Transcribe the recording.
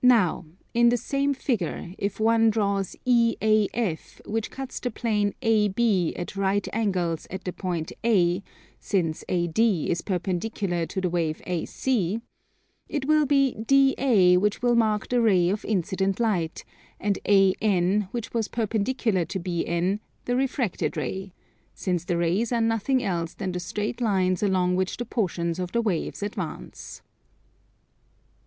Now, in the same figure, if one draws EAF, which cuts the plane AB at right angles at the point A, since AD is perpendicular to the wave AC, it will be DA which will mark the ray of incident light, and AN which was perpendicular to BN, the refracted ray: since the rays are nothing else than the straight lines along which the portions of the waves advance.